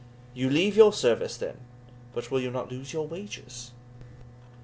"You leave your service, then? but will you not lose your wages?"